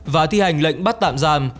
và thi hành lệnh bắt tạm giam